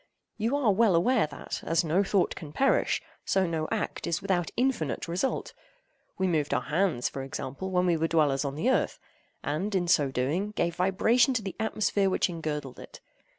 You are well aware that, as no thought can perish, so no act is without infinite result. We moved our hands, for example, when we were dwellers on the earth, and, in so doing, gave vibration to the atmosphere which engirdled it.